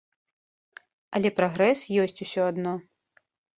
Але прагрэс ёсць усё адно.